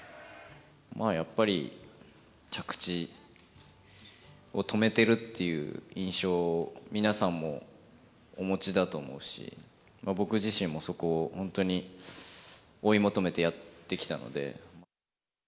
やっぱり、着地を止めているっていう印象を、皆さんもお持ちだと思うし、僕自身もそこを本当に追い求めてやってきたので。